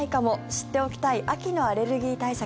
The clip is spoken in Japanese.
知っておきたい秋のアレルギー対策。